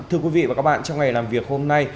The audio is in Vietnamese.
thưa quý vị và các bạn trong ngày làm việc hôm nay